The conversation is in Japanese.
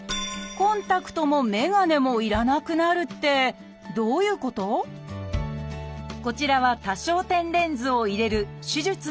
コンタクトもメガネも要らなくなるってこちらは多焦点レンズを入れる手術の映像。